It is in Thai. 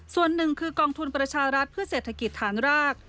ส่วนหนึ่งคือกองทุนประชารัฐเพื่อเศรษฐกิจฐานราก